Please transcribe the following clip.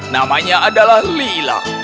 namanya adalah lila